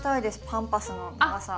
パンパスの長さ。